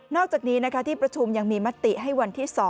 อกจากนี้ที่ประชุมยังมีมติให้วันที่๒